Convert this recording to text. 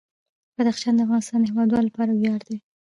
بدخشان د افغانستان د هیوادوالو لپاره ویاړ دی.